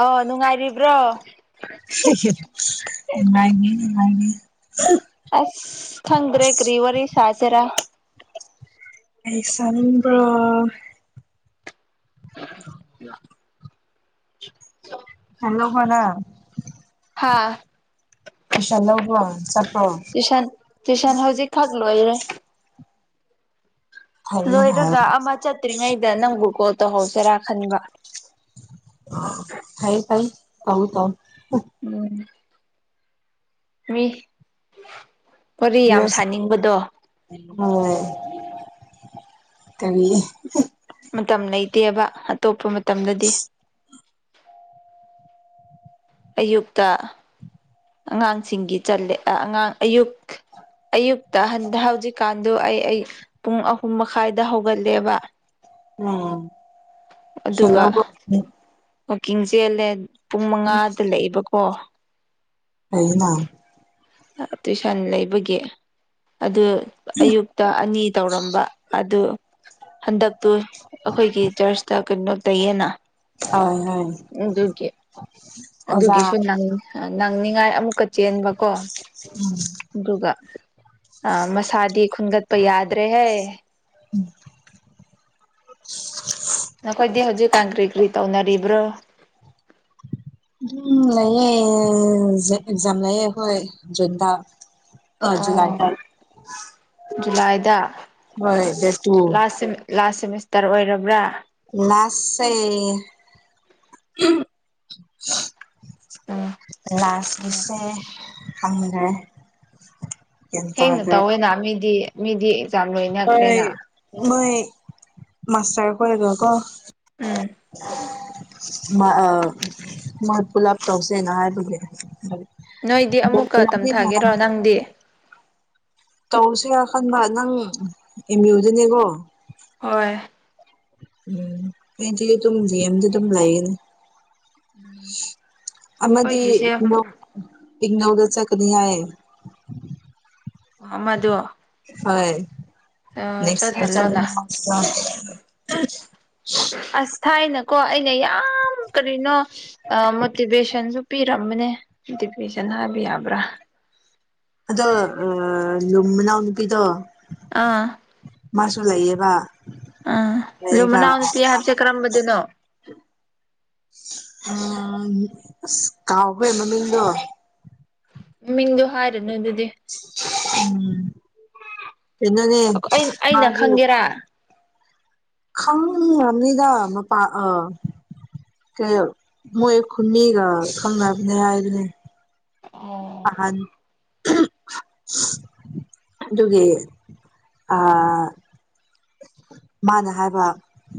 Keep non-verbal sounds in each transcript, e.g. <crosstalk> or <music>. ꯑ ꯅꯨꯡꯉꯥꯏꯔꯤꯕ꯭ꯔꯣ <unintelligible> ꯅꯦ ꯎꯅꯤ <unintelligible> ꯈꯪꯗꯔꯦ ꯀꯔꯤ ꯋꯥꯔꯤ ꯁꯥꯁꯤꯔꯥ ꯑꯩꯁꯥꯅꯤꯡꯕ꯭ꯔꯣ ꯌꯥ <unintelligible> ꯍꯂꯣ ꯍꯅꯥ ꯀꯤꯁꯟ ꯂꯕ ꯇ꯭ꯌꯨꯁꯟ ꯇ꯭ꯌꯨꯁꯟ ꯍꯧꯖꯤꯛ ꯈ ꯂꯣꯏꯔꯦ ꯐꯩꯌꯦ ꯍꯥꯏ ꯂꯣꯏꯔꯒ ꯑꯃ ꯆꯠꯇ꯭ꯔꯤꯉꯩꯗ ꯅꯪꯕꯨ ꯀꯣꯜ ꯇꯧꯍꯧꯁꯤꯔꯥ ꯈꯟꯕ ꯐ ꯐ ꯀꯧ ꯇꯣ ꯎꯝ ꯃꯤ ꯋꯥꯔꯤ ꯌꯥꯝ ꯗ꯭ꯔꯦꯁ ꯁꯥꯅꯤꯡꯕꯗꯣ ꯍꯣꯏ ꯀꯕꯤ ꯃꯇꯝ ꯂꯩꯇꯦꯕ ꯑꯇꯣꯞꯄ ꯇꯝꯂꯗꯤ ꯑꯌꯨꯛꯇ ꯑꯉꯥꯡꯁꯤꯡꯒꯤꯂꯦ ꯑꯉꯥꯡ ꯑꯌꯨꯛ ꯑꯌꯨꯛꯇ ꯍꯟꯗ ꯍꯧꯖꯤꯛ ꯀꯥꯟꯗꯨꯣ ꯑꯩ ꯑꯩ ꯄꯨꯡ ꯑꯍꯨꯝ ꯃꯈꯥꯏꯗ ꯍꯧꯒꯠ ꯂꯦꯕ ꯎꯝ <unintelligible> ꯑꯣ ꯀꯡꯁꯤ ꯑ ꯂꯦ ꯄꯨꯡ ꯃꯉꯥꯗ ꯂꯩꯕꯀꯣ ꯀꯅ ꯇꯨꯏꯁꯟ ꯂꯩꯕꯒꯤ ꯑꯗꯨ ꯑꯌꯨꯛꯇ ꯑꯅꯤ ꯇꯧꯔꯝꯕ ꯑꯗꯨ ꯍꯟꯗꯛꯇꯨ ꯑꯩꯈꯣꯏꯒꯤ ꯆꯔꯁꯇ ꯀꯩꯅꯣ ꯇꯩꯌꯦꯅ ꯍꯣꯏ ꯍꯣꯏ ꯑꯗꯨꯒꯤ ꯑꯣꯖꯥ ꯑꯗꯨꯒꯤꯁꯨ ꯅꯪꯅꯤꯡꯉꯥꯏ ꯑꯃꯨꯛꯀ ꯆꯦꯟꯕꯀꯣ ꯑꯗꯨꯒ ꯑ ꯃꯁꯥꯗꯤ ꯈꯟꯒꯠꯄ ꯌꯥꯗ꯭ꯔꯦꯍꯦ ꯎꯝ ꯅꯈꯣꯏꯗꯤ ꯍꯧꯖꯤꯛꯀꯥꯟ ꯀꯔꯤ ꯀꯔꯤ ꯇꯧꯅꯔꯤꯕ꯭ꯔꯣ ꯎꯝ ꯂꯩꯥꯌꯦ ꯑꯣꯀꯖꯥꯝ ꯂꯩꯌꯦ ꯑꯩꯈꯣꯏ ꯖꯨꯟꯗꯥ ꯑꯣ ꯖꯨꯂꯥꯏꯗ ꯍꯣꯏ ꯗꯦꯠ ꯇꯨ ꯂꯥꯁꯥꯁ ꯁꯦꯃꯤꯁꯇꯔ ꯑꯣꯏꯔꯕ꯭ꯔꯥ ꯂꯥꯁꯦ ꯎꯝ ꯂꯥꯁꯀꯤꯁꯦ ꯐꯪꯗꯦ ꯍꯦꯡꯅ ꯇꯧꯋꯦꯅ ꯃꯤꯗꯤ ꯃꯤꯗꯤ ꯍ ꯂꯣꯏꯅꯈ꯭ꯔꯦꯅ ꯃꯣꯏ ꯃꯥꯇꯔ ꯀꯣ ꯂꯩꯒꯣ ꯑꯀꯣ ꯎꯝ ꯃꯣꯏ ꯄꯨꯂꯞ ꯇꯧꯁꯦꯅ ꯍꯥꯏꯕꯒꯤ ꯅꯣꯏꯗꯤ ꯑꯃꯨꯛꯀ ꯇꯝꯊꯥꯒꯦꯔꯣ ꯅꯪꯗꯤ ꯇꯧꯁꯤ ꯀ ꯈꯟꯕ ꯅꯪ ꯑꯦꯝ ꯌꯨꯗꯨꯅꯦꯀꯣ ꯍꯣꯏ <unintelligible> ꯎꯝꯗꯤ ꯑꯗꯨꯝ ꯦꯝꯗꯤ ꯑꯗꯨꯝ ꯂꯩꯅꯤ ꯎꯝ ꯑꯃꯗꯤꯗꯤ ꯏꯒꯅꯧꯗ ꯆꯀꯅꯤ ꯍꯥꯏꯌꯦ ꯑ ꯃꯗꯨ ꯍꯣꯏ ꯅꯦꯦꯛꯁ ꯏꯔ ꯆ ꯆꯠꯍꯜꯂꯣꯅ ꯑꯁ ꯊꯥꯏꯅꯀꯣ ꯑꯩꯅ ꯌꯥꯝ ꯀꯔꯤꯅꯣ ꯃꯣꯇꯤꯚꯦꯁꯟꯁꯨ ꯄꯤꯔꯝꯕꯅꯦ ꯃꯣꯇꯤꯚꯦꯁꯟ ꯍꯥꯏꯕ ꯌꯥꯕ꯭ꯔꯥ ꯑꯗ ꯑ ꯌꯨꯝ ꯃꯅꯥꯎ ꯅꯨꯄꯤꯗꯣ ꯑꯥ ꯃꯥꯁꯨ ꯂꯩꯌꯦꯕ ꯑꯥ ꯑꯗꯨ ꯂꯩꯔꯒ ꯃꯅꯥꯎ ꯅꯨꯄꯤ ꯍꯥꯞꯆꯦꯠ ꯀꯔꯝꯕꯗꯨꯅꯣ ꯎꯝ ꯀꯥꯎꯥꯎꯕꯅꯃꯤꯅꯣ ꯃꯤꯗꯨ ꯍꯥꯔꯅ ꯑꯗꯨ ꯎꯝ ꯆꯣꯅꯦ ꯑꯩꯅ ꯃꯥꯁꯨ ꯈꯪꯒꯦꯔꯥ ꯈꯪꯕꯅꯤꯗ ꯃꯄꯥꯥꯟ ꯑ ꯀꯩ ꯃꯣꯏ ꯈꯨꯟꯅꯤꯒ ꯈꯪꯅꯕꯅꯤ ꯍꯥꯏꯗꯨꯅꯤ ꯑꯣ ꯑꯍꯟ ꯑꯗꯨꯒꯤ ꯃꯥꯅ ꯍꯥꯏꯕ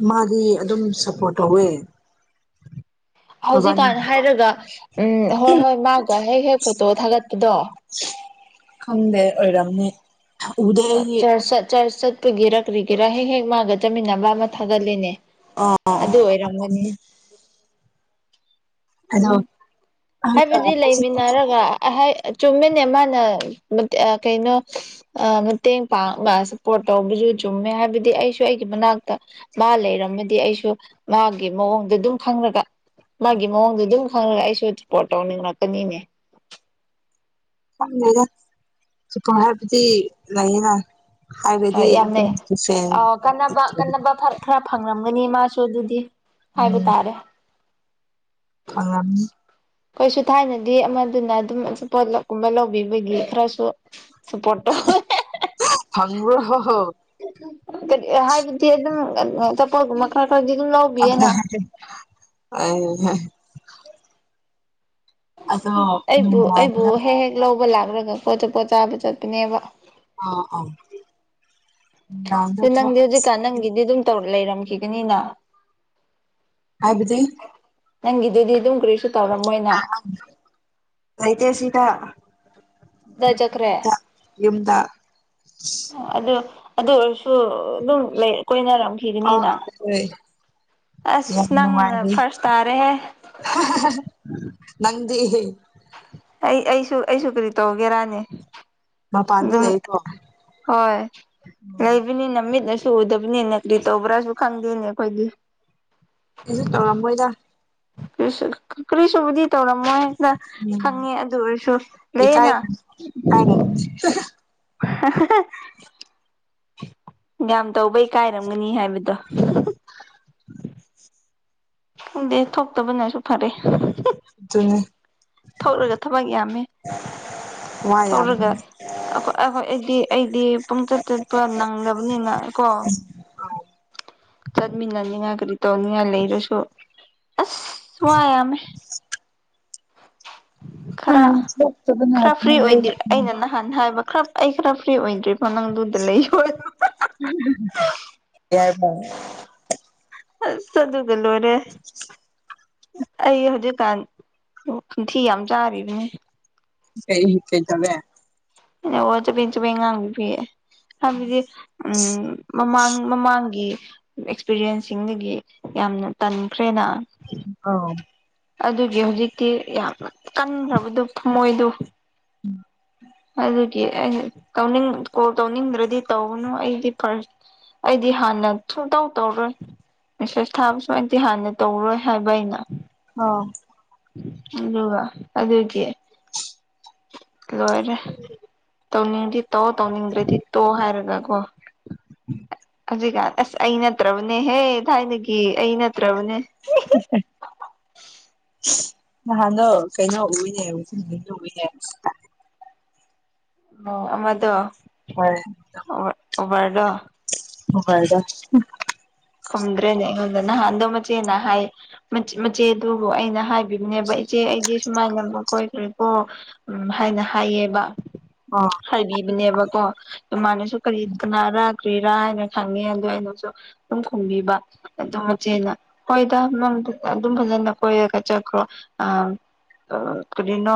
ꯃꯥꯗꯤ ꯑꯗꯨꯝ ꯁꯞꯄꯣꯔꯠ ꯇꯧꯋꯦ ꯃꯕꯥꯅꯤ ꯍꯧꯖꯤꯛꯀꯥꯟ ꯍꯥꯏꯔꯒ ꯎꯝ ꯍꯣꯏ ꯍꯣꯏ ꯃꯥꯒ ꯍꯦꯛ ꯍꯦꯛ ꯐꯣꯇꯣ ꯊꯥꯒꯠꯄꯗꯣ ꯈꯪꯗꯦ ꯑꯣꯏꯔꯝꯅꯤ ꯎꯗꯦ ꯑꯩꯗꯤ ꯆꯔꯁ ꯆꯔꯁ ꯀꯨꯒꯦꯔꯥ ꯀꯔꯤꯒꯦꯔꯥ ꯍꯦꯛ ꯍꯦꯛ ꯃꯥꯒ ꯆꯠꯃꯤꯟꯅꯕ ꯑꯃ ꯊꯥꯒꯠꯂꯤꯅꯦ ꯑꯥ ꯑꯗꯨ ꯑꯣꯏꯔꯝꯒꯅꯤ ꯑꯗꯣ ꯎꯝ ꯍꯥꯏꯕꯗꯤ ꯍꯧꯖꯤꯛꯇꯤ ꯂꯩꯃꯤꯟꯅꯔꯒ ꯆꯨꯝꯃꯤꯅꯦ ꯃꯥꯅ ꯀꯩꯅꯣ ꯃꯇꯦꯡ ꯄꯥꯡꯅ ꯁꯞꯄꯣꯔꯠ ꯇꯧꯕꯁꯨ ꯆꯨꯝꯃꯦ ꯍꯥꯏꯕꯗꯤ ꯑꯩꯁꯨ ꯑꯩꯒꯤ ꯃꯅꯥꯛꯇ ꯃꯥ ꯂꯩꯔꯝꯃꯗꯤ ꯑꯩꯁꯨ ꯃꯥꯒꯤ ꯃꯑꯣꯡꯗ ꯑꯗꯨꯝ ꯈꯪꯉꯒ ꯎꯝ ꯑꯗꯨꯝ ꯈꯪꯉꯒ ꯑꯩꯁꯨ ꯄꯣꯔꯠ ꯇꯧꯅꯤꯡꯉꯛꯀꯅꯤꯅꯦ ꯗꯄꯔꯗꯤ ꯂꯥꯏꯦꯗ ꯍ ꯌꯥꯝꯃꯦ ꯑ ꯀꯥꯟꯅꯕ ꯀꯟꯅꯕ ꯈꯔ ꯐꯪ ꯑꯅꯤ ꯃꯥ ꯁꯣꯗꯨꯨꯗꯤꯤ ꯍꯥꯏ ꯇꯥꯔꯦ ꯐꯪꯉꯅꯤ ꯀꯩꯁꯨ ꯊꯥꯏꯅꯗꯤ ꯑꯃꯗꯨꯅ ꯑꯗꯨꯝ ꯄꯣꯠꯂꯞ ꯀꯨꯝꯕ ꯂꯧꯕꯤꯕꯒꯤ ꯈꯔꯁꯨ ꯁꯄꯣꯠꯇꯣ ꯐꯪꯕ꯭ꯔꯣ ꯀꯔꯤ ꯍꯥꯏꯕꯗꯤ ꯑꯗꯨꯝ ꯄ ꯃꯈ ꯈ ꯑ ꯑ ꯑꯩꯕꯨ ꯑꯩꯕꯨ ꯅꯨꯡꯗꯥꯡꯗ ꯍꯦꯛ ꯍꯦꯛ ꯂꯧꯕ ꯂꯥꯛ ꯂꯧꯔꯒ ꯄꯣꯠꯆ ꯄꯣꯠ ꯆꯥꯕ ꯆꯠꯄꯅꯦꯕ ꯑꯥ ꯑꯥ ꯅꯪꯗꯤ ꯍꯧꯖꯤꯀ ꯅꯪꯗ ꯑꯗꯨꯝ ꯇꯧꯔ ꯂꯩꯔꯝꯈꯤꯒꯅꯤꯅ ꯍꯥꯏꯕꯗꯤ ꯅꯪꯗꯦꯗꯤ ꯇ ꯀꯔꯤꯁ ꯩꯇꯦ ꯁꯤꯗ ꯗꯥ ꯆꯈ꯭ꯔꯦ ꯌꯨꯝꯗ ꯑꯗꯨ ꯑꯗꯨ ꯑꯣꯏꯔꯁꯨ ꯑꯗꯨꯝ ꯂꯩ ꯀꯣꯏꯅꯔ ꯑ ꯈꯤꯒꯅꯤꯅ ꯍꯣꯏ ꯑꯁ ꯌꯥꯝ ꯅꯪꯅ ꯅꯨꯡꯉꯥꯏꯔꯤ ꯐꯥꯔꯁ ꯇꯥꯔꯦꯍꯦ ꯅꯪꯗꯤ <inaudible> ꯑꯩ ꯑꯩꯁꯨ ꯑꯩꯁꯨ ꯀꯔꯤ ꯇꯧꯒꯦꯔꯥꯅꯤ ꯃꯄꯥꯟꯗ ꯑꯗꯨꯝ ꯂꯩꯀꯣ ꯍꯣꯏ ꯂꯩꯕꯅꯤꯅꯃꯤꯠ ꯁꯨ ꯎꯗꯕꯅꯤꯅꯦ ꯀꯔꯤ ꯇꯣꯕ꯭ꯔꯁꯨ ꯈꯪꯗꯦꯅꯤ ꯀꯣꯏꯗꯤ ꯀꯁꯨ ꯇꯧꯔꯝꯕꯣꯏꯗ ꯀꯛꯀꯔꯤꯁꯨꯨꯕꯖꯤ ꯇꯅ ꯃꯣꯏ ꯍꯦꯛꯇ ꯎꯝ ꯈꯪꯉꯦ ꯑꯗꯨ ꯑꯣꯏꯔꯁꯨ ꯏꯀꯥꯏ ꯂꯩꯅ ꯏꯀꯥꯏꯔꯝꯅꯤ ꯌꯥꯝ ꯇꯧꯕꯩ ꯀꯥꯏꯔꯝꯒꯅꯤ ꯍꯥꯏꯕꯗꯤ ꯗ ꯎ ꯪꯗꯦ ꯊꯣꯛꯇꯕꯅꯁꯨ ꯐꯔꯦ ꯑꯗꯨ ꯑꯗꯨꯅꯤ ꯊꯧꯔꯒ ꯊꯕꯛ ꯌꯥꯝꯃꯦ ꯋꯥ ꯌꯥꯝ ꯊꯧꯔꯒꯈꯣꯏ ꯑꯩꯗꯤ ꯑꯩꯗꯤ ꯄꯨꯡꯆꯠ ꯆꯠꯄ ꯅꯪꯗꯕꯅꯤꯅ ꯀꯣ ꯆꯠꯃꯤꯟꯅꯅꯤꯡꯉꯥꯏ ꯀꯔꯤ ꯇꯧꯅꯤꯡꯉꯥꯏ ꯂꯩꯔꯁꯨ ꯑꯁ ꯁꯌꯥꯝꯃꯦ ꯑꯗ ꯊ ꯈ ꯑꯩ ꯈꯔ ꯐ꯭ꯔꯤ ꯑꯣꯏꯗ꯭ꯔꯔꯤ ꯌꯥꯔ ꯐ ꯆꯗꯨꯒꯂꯨ ꯑꯣꯏ ꯑꯩ ꯍꯧꯖꯤꯛꯀꯥꯟ ꯅꯤꯡꯊꯤ ꯌꯥꯝ ꯆꯥꯔꯤꯕꯅꯦ ꯀꯩ ꯍ ꯀꯩ ꯇꯂꯦ ꯑꯣ ꯆ ꯄ ꯆ ꯄ ꯉꯥꯡ ꯄꯤꯌꯦ ꯍꯥꯏꯕꯗꯤ ꯎꯝ ꯃꯃꯥꯡ ꯃꯃꯥꯡꯒꯤ ꯑꯦꯛꯁꯄꯤꯔꯤꯌꯦꯟꯁꯁꯤꯡꯗꯒꯤ ꯌꯥꯝꯅ ꯇꯟꯈ꯭ꯔꯦ ꯑꯥꯎ ꯑꯗꯨꯒꯤ ꯍꯧꯖꯤꯛꯇꯤ ꯌꯥꯝ ꯀꯟꯈ꯭ꯔꯕꯗꯨ ꯊꯃꯣꯏꯗꯨ ꯑꯗꯨꯒꯤ ꯑꯩꯅ ꯇꯧꯅꯤꯡ ꯀꯣꯜ ꯇꯧꯅꯤꯡꯗ꯭ꯔꯗꯤ ꯇꯧꯅꯨ ꯑꯩꯗꯤ ꯐꯥꯔꯁ ꯑꯩꯗꯤ ꯍꯥꯟꯅ ꯁꯨꯡꯇꯧ ꯇꯧꯔꯣꯏ ꯃꯦꯁꯦꯁ ꯊꯥꯕꯁꯨ ꯑꯩꯗꯤ ꯍꯥꯟꯅ ꯇꯧꯔꯣꯏ ꯍꯥꯏꯕ ꯑꯩꯅ ꯑ ꯑꯗꯨꯒ ꯑꯗꯨꯒꯤ ꯂꯣꯏꯔꯦ ꯇꯧꯅꯤꯡꯗꯤ ꯇꯧ ꯇꯧꯅꯤꯡꯗ꯭ꯔꯗꯤ ꯇꯣ ꯍꯥꯏꯔꯒꯀꯣ ꯍꯧꯖꯤꯛꯀꯥꯟ ꯑꯁ ꯑꯩ ꯅꯠꯇ꯭ꯔꯕꯅꯦꯍꯦ ꯊꯥꯏꯅꯒꯤ ꯑꯩ ꯅꯠꯇ꯭ꯔꯕꯅꯦ ꯅꯍꯥꯟꯗꯣ ꯀꯩꯅꯣ ꯎꯏꯅꯦꯤꯟ ꯎꯏꯅꯦ ꯑꯣ ꯑꯃꯗꯣ ꯍꯣꯏ ꯑꯣꯕꯔꯒ ꯍ ꯐꯗ ꯈꯨꯝꯗ꯭ꯔꯦꯅꯦ ꯑꯩꯉꯣꯟꯗ ꯅꯍꯥꯟꯗꯣ ꯃꯆꯦꯅ ꯍꯥꯏ ꯃꯆꯦꯗꯨꯕꯨ ꯑꯩꯅ ꯍꯥꯏꯕꯤꯕꯅꯦꯕ ꯏꯆꯦ ꯑꯩꯗꯤ ꯁꯨꯃꯥꯏꯅ ꯃꯈꯣꯏ ꯀꯔꯤ ꯀꯣ ꯎ ꯍꯥꯏꯅ ꯍꯥꯏꯌꯦꯕ ꯑ ꯍꯥꯏꯕꯤꯕꯅꯦꯕꯀꯣ <unintelligible> ꯃꯅꯁꯨ ꯈꯔꯤꯗ ꯀꯅꯥꯔꯥ ꯀ꯭ꯔꯤꯔꯥ ꯍꯥꯏꯅ ꯈꯪꯉꯤ ꯑꯗꯨ ꯑꯩꯅꯁꯨ ꯑꯗꯨꯝ ꯈꯨꯝꯕꯤꯕ ꯑꯗꯨꯝ ꯃꯆꯦꯅ ꯍꯣꯏꯗ ꯅꯪ ꯑꯗꯨꯝ ꯐꯖꯅ ꯀꯣꯏꯔꯒ ꯆꯠꯈ꯭ꯔꯣ ꯑꯥ ꯀꯔꯤꯅꯣ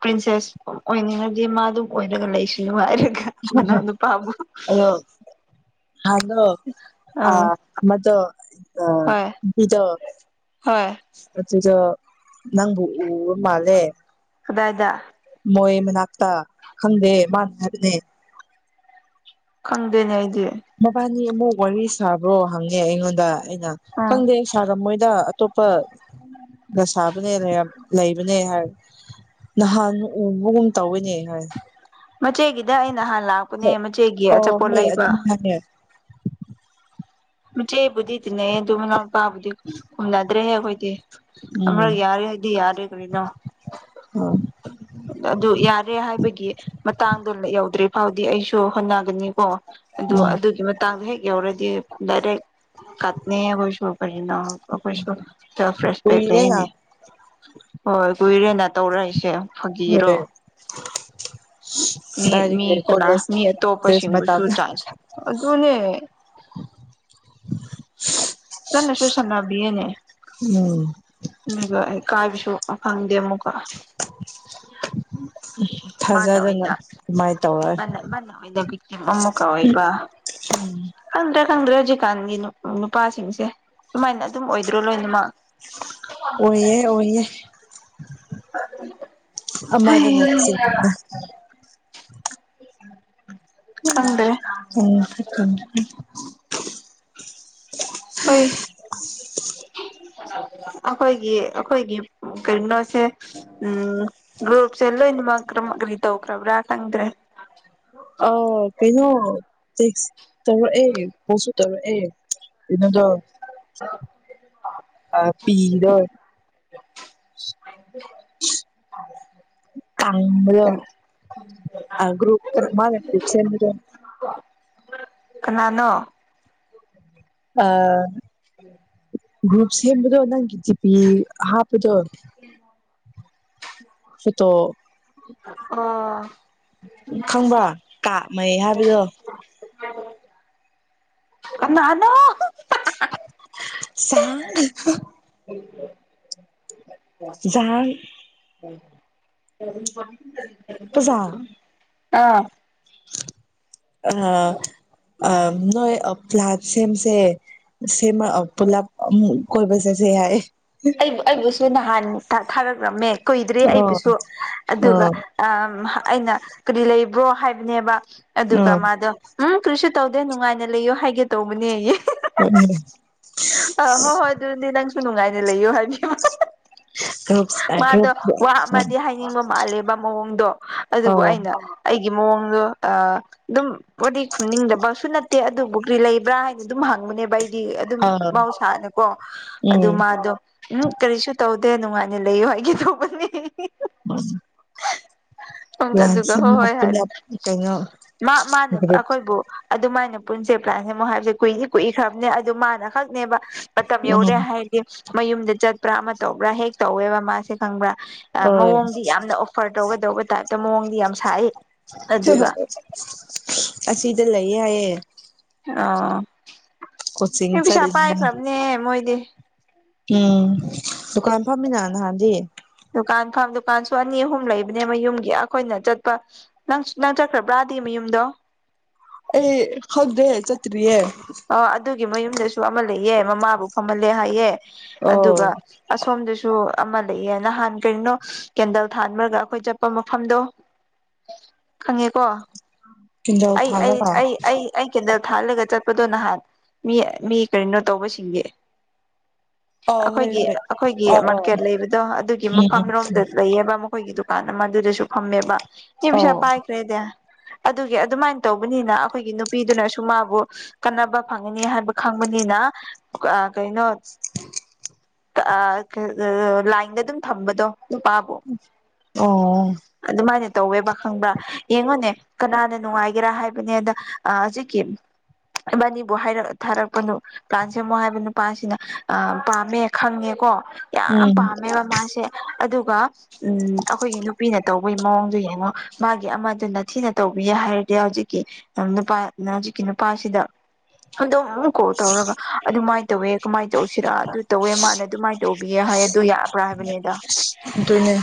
ꯄ꯭ꯔꯤꯟꯁꯦꯁ ꯑꯣꯏꯅꯤꯡꯉꯗꯤ ꯃꯥ ꯑꯗꯨꯝ ꯑꯣꯏꯔꯒ ꯂꯩꯁꯅꯨ ꯃꯅꯥꯎ ꯅꯨꯄꯥꯕꯨ ꯍꯣ ꯑ ꯑꯥ ꯑꯃꯗꯨ ꯍꯣꯏ ꯍꯣꯏ <unintelligible> ꯅꯪꯕꯨ ꯎꯕ ꯃꯥꯜꯂꯦ ꯀꯗꯥꯢꯗ ꯃꯣꯏ ꯃꯅꯥꯛꯇ ꯈꯪꯗꯦ ꯃꯥꯅ ꯍꯥꯏꯕꯅꯦ ꯈꯪꯗꯦꯅꯦ ꯑꯩꯗꯤ ꯃꯕꯥꯅꯤ ꯑꯃꯨꯛ ꯋꯥꯔꯤ ꯁꯥꯕ꯭ꯔꯣ ꯍꯪꯉꯦ ꯑꯩꯉꯣꯟꯗ ꯑꯩꯅ ꯎꯝ ꯈꯪꯗꯦ ꯁꯥꯔꯝꯃꯣꯏꯗ ꯑꯇꯣꯞꯄ ꯅ ꯁꯥꯥꯕꯅꯦ ꯂꯩꯔꯝ ꯂꯩꯕꯅꯦ ꯍꯥꯏ ꯅꯍꯥꯟ ꯎꯕꯒꯨꯝ ꯇꯧꯋꯤꯅꯦ ꯍꯥꯏ ꯃꯆꯦꯒꯤꯗ ꯑꯩꯅ ꯅꯍꯥꯟ ꯂꯥꯛꯄꯅꯦ ꯃꯆꯦꯒꯤ ꯑꯣ ꯑꯆꯥꯄꯣꯠ ꯍꯣꯏ ꯂꯩꯕ ꯑꯗꯨꯃꯥꯏ ꯍꯥꯏꯌꯦ ꯃꯆꯦꯕꯨꯗꯤ ꯇꯤꯟ ꯅꯩꯌꯦ ꯑꯗꯨ ꯃꯅꯥꯎ ꯄꯥꯕꯨꯗꯤ ꯈꯨꯝꯅꯗ꯭ꯔꯦꯍꯦ ꯑꯩꯈꯣꯏ ꯇꯦ ꯑꯃ ꯎꯝ ꯌꯥꯔꯦ ꯍꯥꯏꯗꯤ ꯌꯥꯔꯦ <unintelligible> ꯑ ꯑꯗꯨ ꯌꯥꯔꯦ ꯍꯥꯏꯕꯒꯤ ꯃꯇꯥꯡꯗꯣ ꯌꯧꯗ꯭ꯔꯤ ꯐꯥꯎꯗꯤ ꯑꯩꯁꯨ ꯍꯣꯠꯅꯒꯅꯤ ꯀꯣ ꯑꯗꯨ ꯎꯝ ꯑꯗꯨꯒꯤ ꯃꯇꯥꯡꯗ ꯍꯦꯛ ꯌꯧꯔꯗꯤ ꯗꯥꯏꯔꯦꯛ ꯀꯠꯅꯤ ꯑꯩꯈꯣꯏꯁꯨ ꯀꯔꯤꯅꯣ ꯑꯩꯈꯣꯏꯁꯨ ꯁꯦꯜꯐ ꯔꯦꯁꯄꯦꯛ ꯀꯨꯏꯔꯦꯅ ꯂꯩꯌꯦꯅꯤ ꯍꯣꯏ ꯀꯨꯏꯔꯦꯅ ꯇꯧꯔꯛꯏꯁꯦ ꯍꯣꯏ ꯐꯥꯒꯤꯔꯣ ꯃꯤ ꯃꯤ ꯀꯗꯥꯏꯗꯒꯤ ꯀꯅꯥ ꯀꯣꯂꯦꯖ ꯃꯤ ꯀꯣꯂꯦꯖ ꯃꯇꯝ ꯑꯇꯣꯞꯄꯁꯤꯡꯕꯨꯁꯨ ꯆꯥꯁ ꯑꯗꯨꯅꯦ ꯆꯠꯂꯁꯨ ꯁꯥꯟꯅ ꯕꯤꯌꯦꯅꯦ ꯎꯝ <unintelligible> ꯀꯥꯏꯕꯁꯨ ꯑꯣ ꯐꯪꯗꯦ ꯃꯨꯛ ꯀꯣ ꯃꯥꯅ ꯊꯥꯖꯗꯅ ꯑꯣꯏꯅ ꯑꯗꯨꯃꯥꯏꯅ ꯇꯧꯔꯛꯑꯦ ꯃꯥꯅ ꯑꯣꯏꯅ ꯕꯤꯛꯇꯤꯝ ꯑꯃꯀ ꯑꯣꯏꯕꯗ꯭ꯔ ꯈꯪꯗ꯭ꯔꯦ ꯍꯧꯖꯤꯛꯀꯥꯟꯒꯤ ꯅꯨ ꯅꯨꯄꯥꯁꯤꯡꯁꯦ ꯑꯗꯨꯃꯥꯏꯅ ꯑꯗꯨꯝ ꯑꯣꯏꯗ꯭ꯔꯣ ꯂꯣꯏꯅꯃ ꯑꯣꯏꯌꯦ ꯑꯣꯏꯌꯦ ꯑꯃꯗꯅ ꯆꯤ ꯈꯪꯗ꯭ꯔꯦ <unintelligible> <inaudible> ꯍꯥ ꯑꯈꯣꯏꯒꯤ ꯑꯈꯣꯏꯒꯤ ꯀꯩꯅꯣ ꯁꯦ ꯎꯝ ꯒ꯭ꯔꯨꯞꯁꯦ ꯂꯣꯏꯅ ꯃꯛ ꯀꯔꯝ ꯃꯔꯤ ꯇꯧꯈ꯭ꯔꯕ꯭ꯔꯥ ꯈꯪꯗ꯭ꯔꯦ ꯑꯎ ꯀꯩꯅꯣ ꯇꯦꯁꯛ ꯇꯧꯔꯛꯑꯦ ꯐꯣꯅꯦ ꯇꯧꯔꯛꯑꯦ ꯏꯕꯗꯣ ꯑ ꯄꯤꯗꯦ <unintelligible> ꯀꯪꯕꯔꯣ <unintelligible> ꯑꯥꯔ ꯒꯔꯨꯞ ꯃꯅꯥ ꯀꯨꯞꯁꯦꯟꯒꯦ ꯀꯅꯥꯅꯣ ꯑꯥ... ꯒ꯭ꯔꯨꯞ ꯁꯦꯝꯕꯗꯣ ꯅꯪꯒꯤ ꯖꯤꯄꯥꯌ ꯍꯥꯞꯄꯗꯣ ꯁꯨꯇꯣ ꯑꯣ ꯈꯪꯕ꯭ꯔꯥ ꯀꯥꯞ ꯃꯩ ꯍꯥꯏꯕꯗꯣ <unintelligible> ꯀꯅꯥꯅꯣ ꯆꯥꯛꯒ ꯒꯣ <inaudible> ꯖꯥꯏ <unintelligible> ꯄꯥꯖꯥ ꯑꯥ <inaudible> ꯑꯩꯉꯥ ꯑꯥ ꯅꯣꯏ ꯞꯂꯥꯟ ꯁꯦꯝꯁꯦ ꯁꯦꯝꯃꯛꯑꯥ ꯄꯨꯂꯞ ꯑꯃꯣꯛ ꯀꯣꯏꯕꯥ ꯆꯠꯁꯦ ꯍꯥꯏꯌꯦ ꯑꯩ ꯑꯩꯒꯁꯨ <unintelligible> ꯇꯥꯊꯔꯛ ꯂꯝꯃꯦ ꯀꯨꯏꯗ꯭ꯔꯦ ꯑꯣ ꯑꯩꯕꯨꯁꯨ ꯑꯗꯨꯒ ꯑ ꯑꯝ ꯍꯥ ꯑꯩꯅ ꯀꯔꯤ ꯂꯩꯕ꯭ꯔꯣ ꯍꯥꯏꯕꯅꯦꯕ ꯑꯗꯨꯒ ꯃꯥꯗꯣ ꯎꯝ ꯀꯔꯤꯁꯨ ꯇꯧꯗꯦ ꯅꯨꯡꯉꯥꯏꯅ ꯂꯩꯌꯣ ꯍꯥꯏꯒꯦ ꯇꯧꯕꯅꯦꯌꯦ <unintelligible> ꯑꯥ ꯍꯣꯏ ꯍꯣꯏ ꯑꯗꯨꯅꯤ ꯅꯪꯁꯨ ꯁꯨ ꯅꯨꯡꯉꯥꯏꯅ ꯂꯩꯌꯨ ꯍꯥꯏꯕꯤꯌꯨ ꯑ ꯃꯥꯗꯣ ꯒ꯭ꯔꯨꯞ ꯑꯥ ꯋꯥ ꯒ꯭ꯔꯨꯞ ꯑꯃꯗꯤ ꯍꯥꯏꯅꯤꯡꯕ ꯃꯥꯜꯂꯦ ꯃꯑꯣꯡꯗꯣ ꯑꯗꯨꯕꯨ ꯑꯣ ꯑꯩꯅ ꯑꯩ ꯒꯤ ꯃꯑꯣꯡꯗꯣ ꯑꯥ ꯑꯗꯨꯝ ꯄꯔꯗ‌ꯦ ꯈꯨꯝꯅꯤꯡꯗꯕꯁꯨ ꯅꯠꯇꯦ ꯑꯗꯨꯕꯨ ꯀ꯭ꯔꯤ ꯂꯩꯕ꯭ꯔꯥ ꯍꯥꯏꯅ ꯑꯗꯨꯝ ꯍꯪꯕꯅꯦꯕ ꯑꯩ ꯑꯗꯨꯝ ꯑꯥ ꯃꯍꯧꯁꯥꯅꯤꯀꯣ ꯑꯗꯨ ꯎꯝ ꯃꯥꯗꯣ ꯎꯝ ꯀꯔꯤꯁꯨ ꯇꯧ ꯇ ꯅꯨꯡꯉꯥꯏ <unintelligible> ꯂꯩꯌꯨ ꯍꯥꯏꯒꯦ ꯇꯧꯕꯅꯦ <unintelligible> ꯎꯝ ꯑꯗꯨꯒ ꯂꯥꯟꯁꯤ ꯍꯣꯏ ꯍꯣꯏ ꯍꯥꯏꯅꯤ ꯄꯨꯂꯞ ꯀꯩꯅꯣ ꯃꯥ ꯃꯥꯅ ꯒ꯭ꯔꯨꯞ ꯑꯩꯈꯣꯏꯕꯨ ꯑꯗꯨꯃꯥꯏꯅ ꯄꯨꯟꯁꯦ ꯄ꯭ꯂꯥꯛꯁ ꯑꯃꯨꯛ ꯍꯥꯏꯁꯦ ꯀꯨꯏꯁꯤ ꯀꯨꯏꯈ꯭ꯔꯕꯅꯦ ꯑꯗꯨ ꯃꯥꯅ ꯈꯛꯅꯦꯕ ꯃꯇꯝ ꯎꯝ ꯌꯧꯔꯦ ꯍꯥꯏꯗꯤ ꯃꯌꯨꯝꯗ ꯆꯠ ꯄꯔꯥꯥ ꯑꯃ ꯇꯧꯕ꯭ꯔꯥ ꯍꯦꯛ ꯇꯧꯋꯦꯕ ꯃꯥꯁꯦ ꯈꯪꯕ꯭ꯔꯥ ꯍꯣꯏ ꯃꯑꯣꯡꯗꯤ ꯌꯥꯝꯅ ꯑꯣꯐꯔ ꯇꯧꯒꯗꯧꯕ ꯇꯥꯏꯞꯇ ꯃꯑꯣꯡꯗꯤ ꯌꯥꯝ ꯁꯥꯏ ꯑꯗꯨꯒ ꯑꯁꯤꯗ ꯂꯩꯌꯦ ꯌꯥꯑꯌꯦ ꯑꯥ ꯀꯣꯆꯤꯡ ꯄꯩꯁꯥ ꯆꯠꯂꯤ ꯍꯥꯏ ꯄꯥꯏꯈ꯭ꯔꯕꯅꯦ ꯃꯣꯏꯗꯤ ꯎꯝ ꯗꯨꯀꯥꯟ ꯐꯝꯃꯤꯅ ꯅꯍꯥꯟꯗꯤ ꯗꯨꯀꯥꯟ ꯐꯝ ꯗꯨꯀꯥꯟꯁꯨ ꯑꯅꯤ ꯑꯍꯨꯝ ꯂꯩꯕꯅꯦ ꯃꯌꯨꯝꯒꯤ ꯑꯩꯈꯣꯏꯅ ꯆꯠꯄ ꯅꯪ ꯅꯪ ꯆꯠꯈ꯭ꯔꯕ꯭ꯔꯥꯗꯤ ꯃꯌꯨꯝꯗꯣ ꯑꯦ ꯍꯧꯗ꯭ꯔꯦ ꯆꯠꯇ꯭ꯔꯤꯌꯦꯦ ꯑ ꯑꯗꯨꯒꯤ ꯃꯌꯨꯝꯗꯁꯨ ꯑꯃ ꯂꯩꯌꯦ ꯃꯃꯥꯕꯨ ꯐꯝꯍꯜꯂꯦ ꯍꯥꯏꯌꯦ ꯑꯣ ꯑꯗꯨꯒ ꯑꯁꯣꯝꯗꯁꯨ ꯑꯃ ꯂꯩꯌꯦ ꯅꯍꯥꯟ ꯀꯔꯤꯅꯣ ꯀꯦꯟꯗꯜ ꯊꯥꯟꯕꯈꯔꯒ ꯑꯩꯈꯣꯏ ꯆꯠꯄ ꯃꯐꯝꯗꯣ ꯈꯪꯉꯦꯀꯣ ꯀꯤꯟꯖꯥꯎ ꯑꯩ ꯑꯩ ꯊꯥꯜꯂꯒ ꯑꯩ ꯑꯩ ꯑꯩ ꯀꯦꯟꯗꯜ ꯊꯥꯜꯂꯒ ꯆꯠ ꯗꯣ ꯅꯍꯥꯟ ꯃꯤ ꯃꯤ ꯀꯔꯤꯅꯣ ꯇꯧꯕꯁꯤꯡꯒꯤꯒ ꯑ ꯍꯣꯏ ꯑꯩꯈꯣꯏꯒꯤ ꯍꯣꯏ ꯑꯩꯈꯣꯏꯒꯤ ꯑ ꯑ ꯎꯝ ꯃꯥꯔꯠꯀꯦꯠ ꯂꯩꯕꯗꯣ ꯑꯗꯨꯒꯤ ꯎꯝ ꯃꯐꯝꯔꯣꯝꯗ ꯂꯩꯌꯦꯕ ꯃꯈꯣꯏꯒꯤꯗꯨ ꯀꯥꯟꯅ ꯃꯗꯨꯨꯔꯦꯁꯨ ꯐꯝꯃꯦꯕ ꯃꯤꯄꯩꯁꯥ ꯑꯧ ꯄꯥꯏꯈ꯭ꯔ‌ꯦꯗ ꯑꯗꯨ ꯑꯗꯨꯃꯥꯏꯅ ꯇꯧꯕꯅꯤꯅ ꯑꯩꯈꯣꯏꯒꯤ ꯅꯨꯄꯤꯗꯨꯅꯁꯨ ꯃꯥꯕꯨ ꯀꯥꯟꯅꯕ ꯐꯪꯉꯅꯤ ꯍꯥꯏꯕ ꯈꯪꯕꯅꯤꯅ ꯑꯥ ꯀꯩꯅꯩꯅ ꯂꯥꯏꯟꯗ ꯑꯗꯨꯝ ꯊꯝꯕꯗꯣ ꯅꯨꯄꯥꯕꯨ ꯑꯣ ꯑꯗꯨꯃꯥꯏꯅ ꯇꯧꯋꯦꯕꯥ ꯈꯪꯕ꯭ꯔꯥ ꯌꯦꯡꯉꯣꯅꯦ ꯀꯅꯥꯅ ꯅꯨꯡꯉꯥꯏꯒꯦꯔꯥ ꯍꯥꯏꯕꯅꯦ ꯑꯗ ꯍꯧꯖꯤꯛꯀꯤ ꯏꯕꯥꯅꯤꯕꯨ ꯍꯥꯏꯔ ꯊꯥꯔꯛꯄꯅꯣ ꯄ꯭ꯂꯥꯟ ꯁꯦꯝꯃꯨ ꯍꯥꯏꯕ ꯅꯨꯄꯥꯁꯤꯅ ꯑ ꯄꯥꯝꯃꯦ ꯈꯪꯉꯦꯀꯣ ꯌꯥꯝ ꯎꯝ ꯄꯥꯝꯃꯦꯕ ꯃꯥꯁꯦ ꯑꯗꯨꯒ ꯎꯝ ꯑꯩꯈꯣꯏꯒꯤ ꯅꯨꯄꯤꯅ ꯇꯧꯕꯒꯤ ꯃꯑꯣꯡꯗꯨ ꯌꯦꯡꯉꯣ ꯃꯥꯒꯤ ꯑꯃꯗꯨ ꯅꯊꯤ ꯅ ꯇꯧꯕꯤꯌꯦ ꯍꯥꯏꯔꯗꯤ ꯍꯧꯖꯤꯛꯀꯤ ꯅꯨꯄꯥꯅ ꯍꯧꯖꯤꯛꯀꯤ ꯅꯨꯄꯥꯁꯤꯗ ꯑꯗꯨꯝ ꯀꯣꯜ ꯇꯧꯔꯒ ꯑꯗꯨꯃꯥꯏꯅ ꯇꯧꯋꯦ ꯀꯃꯥꯏꯅ ꯇꯧꯁꯤꯔ ꯑꯗꯨ ꯇꯋꯦ ꯃꯥꯅ ꯑꯗꯨꯃꯥꯏꯅ ꯇꯧꯕꯤꯌꯦ ꯍꯥꯏ ꯑꯗꯨ ꯌꯥꯕ꯭ꯔꯥ ꯍꯥꯏꯕꯅꯦꯗ ꯑꯗꯨꯅꯦ